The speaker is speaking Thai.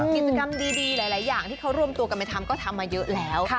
กิจกรรมดีหลายอย่างที่เขาร่วมตัวกันไปทำก็ทำมาเยอะแล้ว